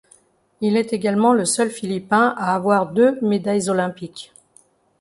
Il est également le seul Philippin à avoir deux médailles olympiques.